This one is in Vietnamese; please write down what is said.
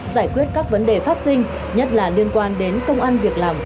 giải quyết các vấn đề phát sinh nhất là liên quan đến công an việc làm